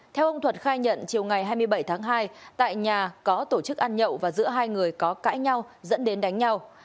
theo ông thuật khai nhận chiều ngày hai mươi bảy tháng hai tại nhà có tổ chức ăn nhậu và giữa hai người có cãi nhau dẫn đến đánh nhau